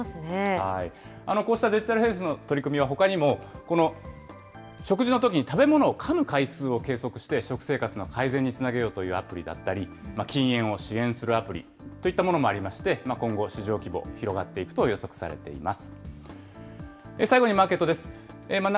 こうしたデジタルヘルスの取り組みは、ほかにも食事のときに食べ物をかむ回数を計測する食生活の改善につなげようというアプリだったり、禁煙を支援するアプリといったものもありまして、今後、市場規模、広がっていくと予測されています。